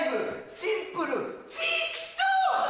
シンプルチーク小！